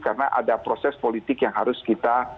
karena ada proses politik yang harus kita